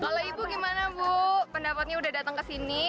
kalau ibu gimana bu pendapatnya udah datang kesini